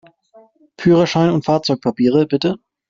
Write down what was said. Führerschein und Fahrzeugpapiere, bitte!